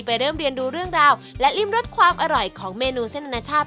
เริ่มเรียนดูเรื่องราวและริมรสความอร่อยของเมนูเส้นอนาชาติ